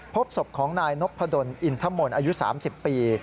พบศพของนายนพดลอินทมนต์อายุ๓๐ปี